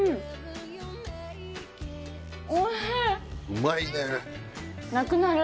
うまいねん！